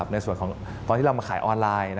ในส่วนของตอนที่เรามาขายออนไลน์